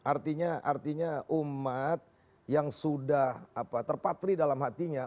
artinya umat yang sudah terpatri dalam hatinya